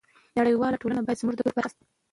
نړیواله ټولنه باید زموږ له کلتور خبره شي.